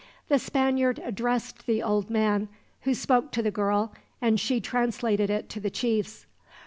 The Spaniard addressed the old man, who spoke to the girl, and she translated it to the chiefs.